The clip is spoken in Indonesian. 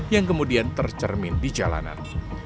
yang kemudian tercermin di jalanan